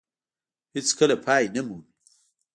هېڅ کله پای نه مومي.